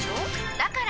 だから！